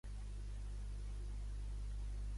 El cognom és Pau: pe, a, u.